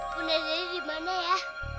bunda dari dimana ya